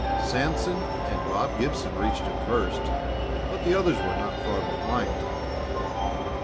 Sanson and Bob Gibson reached him first, but the others were not far behind.